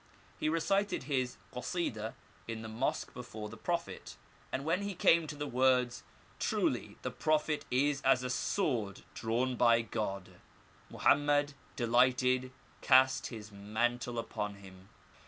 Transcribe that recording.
He recited his kasideh in the mosque before the Prophet, and when he came to the words, 'Truly the Prophet is as a sword drawn by God,' Moham med, delighted, cast his mantle upon him.